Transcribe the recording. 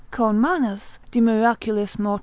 Kornmannus de mirac. mort.